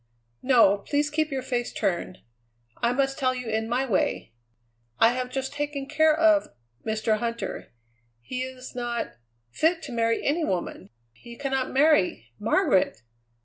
"No, please keep your face turned. I must tell you in my way. I have just taken care of Mr. Huntter. He is not fit to marry any woman he cannot marry Margaret!